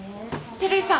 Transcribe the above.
照井さん。